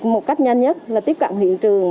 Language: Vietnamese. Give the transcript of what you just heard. một cách nhanh nhất là tiếp cận hiện trường